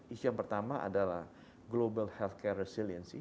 isu yang pertama adalah global healthcare resiliency